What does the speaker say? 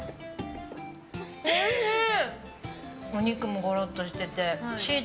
おいしい。